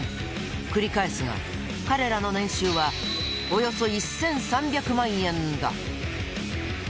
繰り返すが、彼らの年収はおよそ１３００万円だ。